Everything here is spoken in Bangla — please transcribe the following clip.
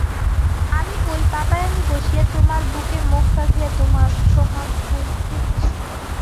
আমি ঐ বাতায়নে বসিয়া তােমার বুকে মুখ রাখিয়া তােমার সােহাগ পাইতে চাই।